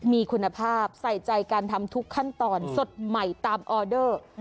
มีคุณภาพใส่ใจการทำทุกขั้นตอนสดใหม่ตามออเดอร์